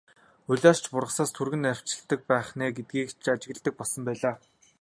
Улиас ч бургаснаас түргэн навчилдаг байх нь ээ гэдгийг л ажигладаг болсон байлаа.